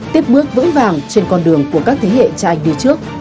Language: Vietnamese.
tiếp bước vững vàng trên con đường của các thế hệ trai đi trước